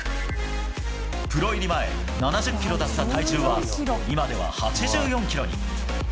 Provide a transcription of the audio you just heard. プロ入り前、７０キロだった体重は今では８４キロに。